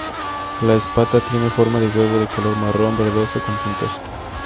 La espata tiene forma de huevo de color marrón verdoso con puntos.